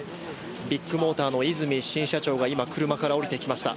ビッグモーターの和泉新社長が今、車から降りてきました。